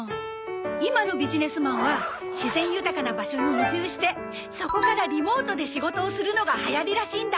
今のビジネスマンは自然豊かな場所に移住してそこからリモートで仕事をするのがはやりらしいんだ。